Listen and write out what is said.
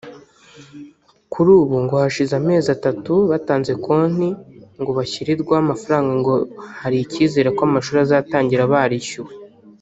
Kuri ubu ngo hashize amezi atatu batanze konti ngo bashyirirweho amafaranga ngo hari icyizere ko amashuri azatangira barishyuwe